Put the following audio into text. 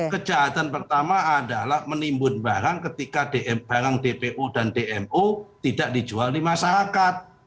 kejahatan pertama adalah menimbun barang ketika barang dpo dan dmo tidak dijual di masyarakat